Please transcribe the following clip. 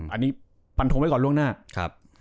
อันนี้ฟันทงไว้ก่อนล่วงหน้าครับ